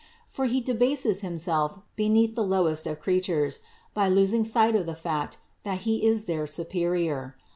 For he debases himself beneath the lowest of creatures, by losing sight of the fact that he is their superior.